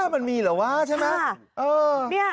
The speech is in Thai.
มันมีเหรอวะใช่ไหม